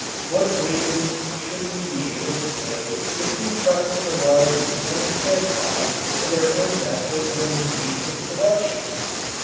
What wages should we be able to pay if we trusted a large don't care class to their own methods and gait of production?